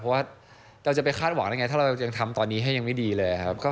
เพราะว่าเราจะไปคาดหวังได้ไงถ้าเรายังทำตอนนี้ให้ยังไม่ดีเลยครับ